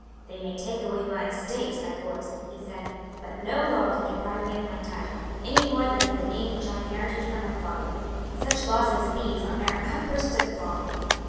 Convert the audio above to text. "They may take away my estates by force," he said, "but no law can deprive me of my title, any more than of the name which I inherited from my fathers. Such laws as these are mere outbursts of folly."